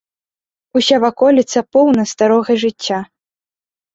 Уся ваколіца поўна старога жыцця.